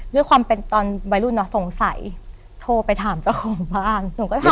ด้วยความเป็นตอนวัยรุ่นเนอะสงสัยโทรไปถามเจ้าของบ้านหนูก็ถาม